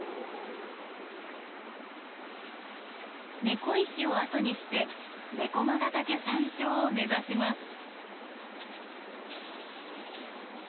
猫石を後にして猫魔ヶ岳山頂を目指します。